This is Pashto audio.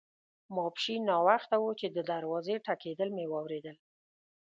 ماپښین ناوخته وو چې د دروازې ټکېدل مې واوریدل.